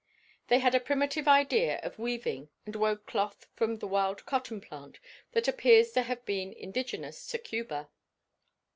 They had a primitive idea of weaving and wove cloth from the wild cotton plant that appears to have been indigenous to Cuba.